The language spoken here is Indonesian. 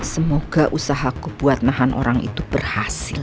semoga usahaku buat nahan orang itu berhasil